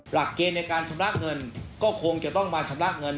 หลักเกณฑ์ในการชำระเงินก็คงจะต้องมาชำระเงิน